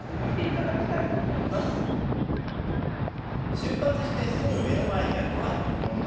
出発して、すぐ目の前にあるのは日本橋。